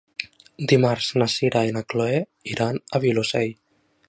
Dimarts na Sira i na Chloé iran al Vilosell.